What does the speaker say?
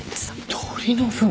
鳥のふん？